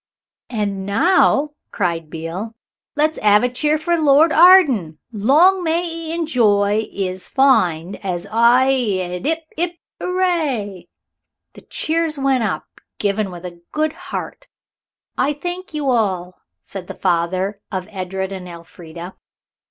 "And now," cried Beale, "let's 'ave a cheer for Lord Arden. Long may 'e enjoy 'is find, says I! 'Ip, 'ip, 'ooray!" The cheers went up, given with a good heart. "I thank you all," said the father of Edred and Elfrida.